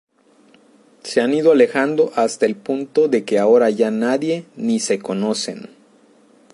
Se han ido alejando hasta el punto de que ahora ya ni se conocen.